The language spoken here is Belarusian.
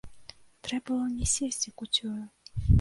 Трэ было не сесці куццёю.